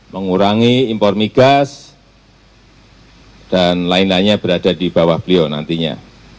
mengurangi impor migas dan lain lainnya berada di bawah beliau nantinya